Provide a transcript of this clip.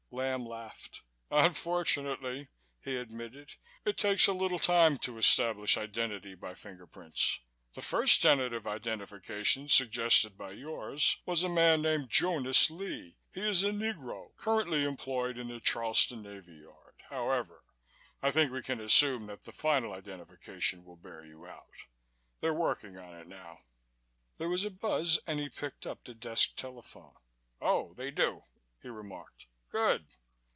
Lamb laughed. "Unfortunately," he admitted, "it takes a little time to establish identity by fingerprints. The first tentative identification suggested by yours was a man named Jonas Lee. He is a Negro currently employed in the Charleston Navy Yard. However, I think we can assume that the final identification will bear you out. They're working on it now." There was a buzz and he picked up the desk telephone. "Oh, they do," he remarked. "Good!"